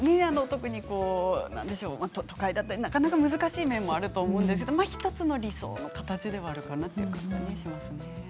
何でしょうか都会だとなかなか難しい面もあると思うんですけれども１つの理想の形でもあるかなという感じがしますね。